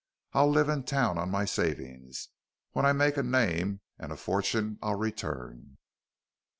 "I'll live in Town on my savings. When I make a name and a fortune I'll return."